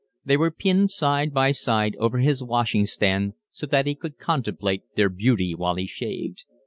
They were pinned side by side over his washing stand so that he could contemplate their beauty while he shaved.